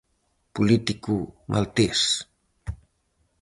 Político maltés.